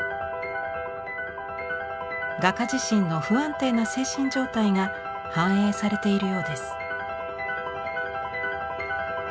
画家自身の不安定な精神状態が反映されているようです。